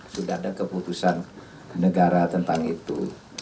sudah ada keputusan negara tentang itu